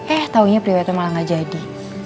eh taunya priwetnya malah nggak jadi